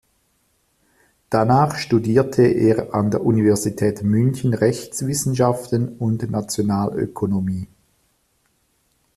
Danach studierte er an der Universität München Rechtswissenschaften und Nationalökonomie.